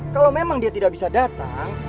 kalau memang dia tidak bisa datang